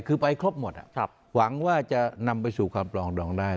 คือไปครบหมดหวังว่าจะนำไปสู่ความปลองดองได้